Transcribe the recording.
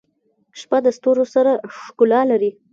• شپه د ستورو سره ښکلا لري.